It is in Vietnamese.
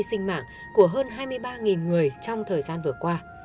sinh mạng của hơn hai mươi ba người trong thời gian vừa qua